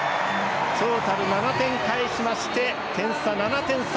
トータル７点返しまして点差７点差。